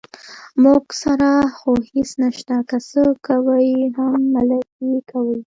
موږ سره خو هېڅ نشته، که څه کوي هم ملک یې کوي.